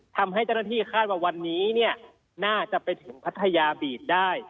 ทำให้เจ้าหน้าที่คาดว่าวันนี้เนี่ยน่าจะไปถึงพัทยาบีดได้